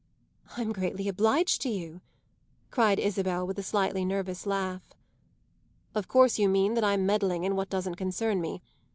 "I'm greatly obliged to you!" cried Isabel with a slightly nervous laugh. "Of course you mean that I'm meddling in what doesn't concern me.